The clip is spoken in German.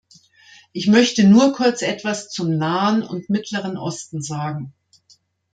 Ich möchte nur kurz etwas zum Nahen und Mittleren Osten sagen.